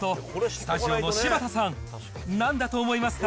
スタジオの柴田さん、なんだと思いますか？